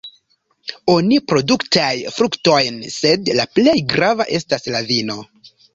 Oni produktaj fruktojn, sed la plej grava estas la vino.